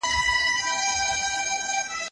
پرتله کول زموږ لاره روښانه کوي.